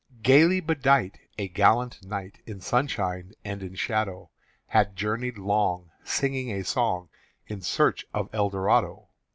Gaily bedight, A gallant knight, In sunshine and in shadow, Had journeyed long, Singing a song, In search of Eldorado.